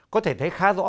có thể thấy khá rõ